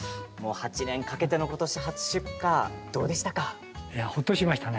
８年かけての今年初出荷どうでしたか？